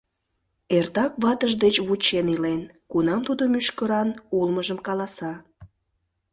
Эртак ватыж деч вучен илен: кунам тудо мӱшкыран улмыжым каласа.